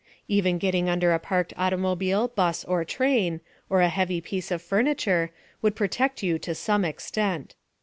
Even getting under a parked automobile, bus or train, or a heavy piece of furniture, would protect you to some extent.